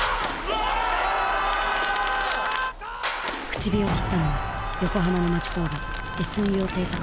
口火を切ったのは横浜の町工場Ｓ陽製作所。